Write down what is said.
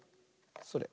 それ。